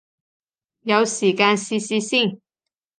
有時間試試先